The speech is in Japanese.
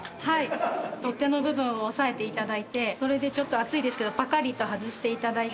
取っ手の部分を押さえていただいてそれで、ちょっと、熱いですけどパカリと外していただいて。